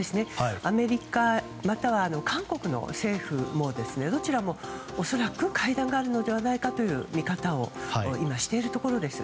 アメリカまたは韓国の政府もどちらも恐らく会談があるのではないかという見方を今しているところです。